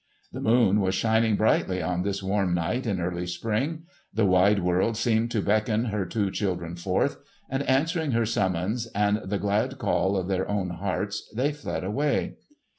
The moon was shining brightly on this warm night in early spring. The wide world seemed to beckon her two children forth; and answering her summons and the glad call of their own hearts they fled away.